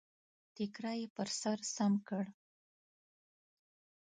ټکری يې پر سر سم کړ.